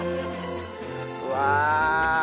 うわ。